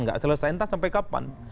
nggak selesai entah sampai kapan